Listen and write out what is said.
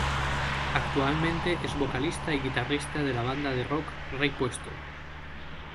Actualmente es vocalista y guitarrista de la banda de rock "Rey Puesto".